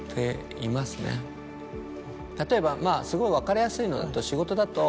例えばすごい分かりやすいのだと仕事だと。